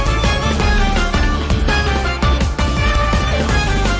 สวัสดีค่ะท่านรถ